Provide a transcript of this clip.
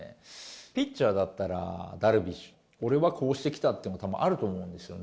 ピッチャーだったらダルビッシュ、俺はこうしてきたっていうのが、たぶんあると思うんですよね。